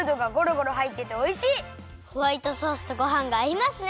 ホワイトソースとごはんがあいますね。